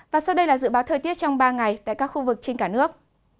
và sau đây là dự báo thời tiết trong ba ngày tại các khu vực trên cả nước